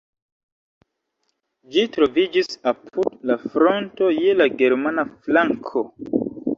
Ĝi troviĝis apud la fronto, je la germana flanko.